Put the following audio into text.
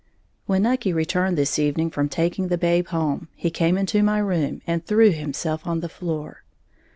When Nucky returned this evening from taking the babe home, he came into my room, and threw himself on the floor.